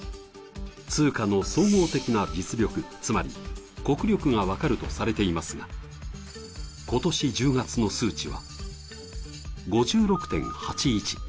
通貨の総合的な実力、つまり国力が分かるとされていますが今年１０月の数値は５６．８１。